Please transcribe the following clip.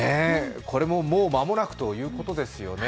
これももう間もなくということですよね。